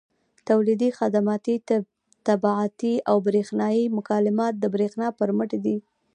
تولیدي، خدماتي، طباعتي او برېښنایي مکالمات د برېښنا پر مټ دي.